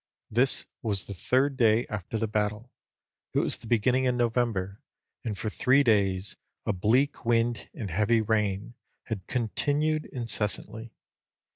_This was the third day after the battle: it was the beginning of November, and for three days a bleak wind and heavy rain had continued incessantly.